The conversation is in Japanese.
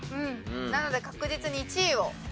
なので確実に１位を。